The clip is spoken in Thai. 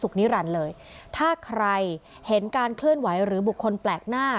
นิรันดิ์เลยถ้าใครเห็นการเคลื่อนไหวหรือบุคคลแปลกหน้า